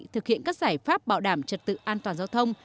thực hiện các giải pháp bảo đảm trật tự an toàn giao thông